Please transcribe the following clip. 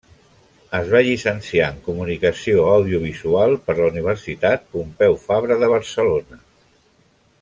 Es va llicenciar en comunicació audiovisual per la Universitat Pompeu Fabra de Barcelona.